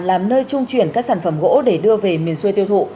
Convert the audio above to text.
làm nơi trung chuyển các sản phẩm gỗ để đưa về miền xuôi tiêu thụ